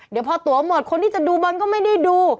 เดี๋ยวพอตัวหมดคนที่จะดูบอลก็ไม่ได้ดู